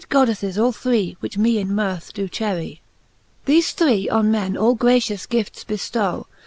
Goddeffes all three, which me in mirth do cherry, . XXIII. Thefe three on men all gracious gifts beftow